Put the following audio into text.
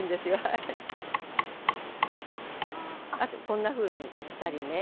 こんなふうにしたりね。